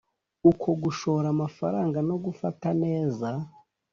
uko gushora amafaranga no gufata neza